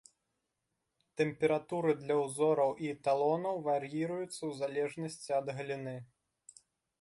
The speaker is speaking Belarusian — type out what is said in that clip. Тэмпературы для узораў і эталонаў вар'іруюцца ў залежнасці ад галіны.